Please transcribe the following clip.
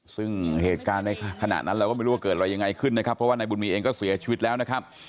ซึ่งเหตุการณ์ในขณะนั้นเราก็ไม่รู้ว่าเกิดอะไรยังไงขึ้นนะครับเพราะว่านายบุญมีเองก็เสียชีวิตแล้วนะครับ